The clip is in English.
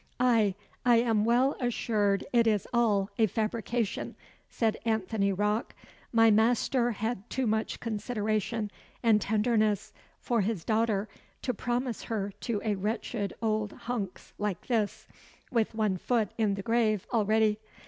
"Ay, I am well assured it is all a fabrication," said Anthony Rocke. "My master had too much consideration and tenderness for his daughter to promise her to a wretched old huncks like this, with one foot in the grave already.